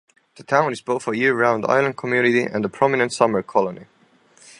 The town is both a year-round island community and a prominent summer colony.